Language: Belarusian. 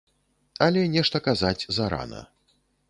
Але нешта казаць зарана.